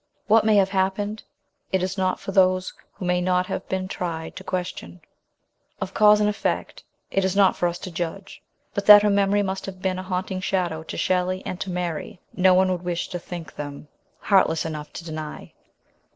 What may have happened, it is not for those who may not have been tried to question ; of cause and effect it is not for us to judge; but that her memory must have been a haunting shadow to Shelley and to Mary no one would wish to think them heart less enough to deny.